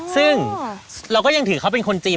ซึ่งเราก็ยังถือเขาเป็นคนจีน